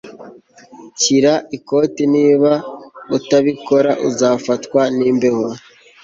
Shyira ikote Niba utabikora uzafatwa nimbeho